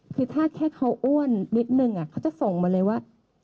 คือถ้าแค่เขาอ้วนนิดนึงเขาจะส่งมาเลยว่า